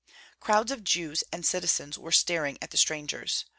Crowds of Jews and citizens were staring at the strangers.